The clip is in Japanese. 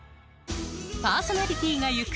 パーソナリティーが行く